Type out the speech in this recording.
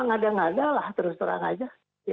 ngada ngadalah terus terang saja